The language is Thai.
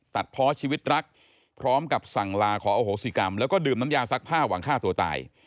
ตัดเพราะชีวิตรักพร้อมกับสั่งลาขออโหสิกรรมแล้วก็ดื่มน้ำยาซักผ้าหวังฆ่าตัวตาย